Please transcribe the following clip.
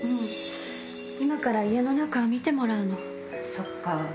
そっか。